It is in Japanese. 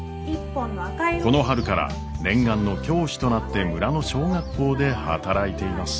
この春から念願の教師となって村の小学校で働いています。